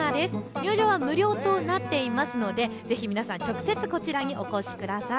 入場は無料となっていますのでぜひ皆さん、直接こちらにお越しください。